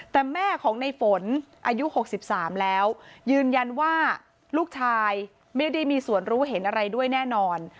แต่แม่ของในฝนอายุ๖๓แล้วยืนยันว่าลูกชายไม่ได้มีส่วนรู้เห็นอะไรด้วยแน่นอน